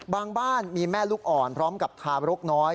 บ้านมีแม่ลูกอ่อนพร้อมกับทารกน้อย